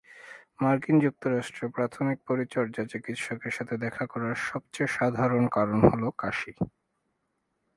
মার্কিন যুক্তরাষ্ট্রে প্রাথমিক পরিচর্যা চিকিৎসকের সাথে দেখা করার সবচেয়ে সাধারণ কারণ হল কাশি।